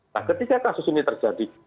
nah ketika kasus ini terjadi